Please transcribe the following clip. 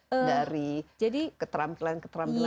dari keterampilan keterampilan yang ini